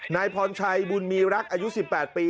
นายพรชัยบุญมีรักอายุ๑๘ปี